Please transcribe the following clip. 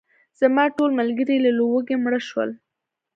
زما ټول ملګري له لوږې مړه شول.